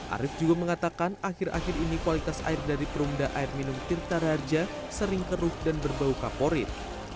arief juga mengatakan akhir akhir ini kualitas air dari perumda air minum tirta raja sering keruh dan berbau kaporit